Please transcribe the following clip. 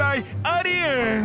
ありえん！